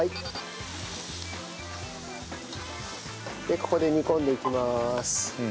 でここで煮込んでいきます。